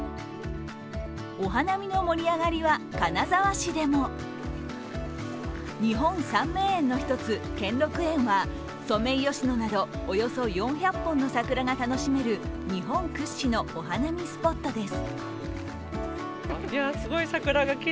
お花見の盛り上がりは金沢市でも日本三名園の一つ、兼六園はソメイヨシノなどおよそ４００本の桜が楽しめる日本屈指のお花見スポットです。